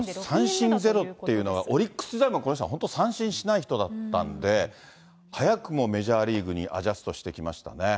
三振ゼロっていうのは、オリックス時代も、この人は本当、三振しない人だったんで、早くもメジャーリーグにアジャストしてきましたね。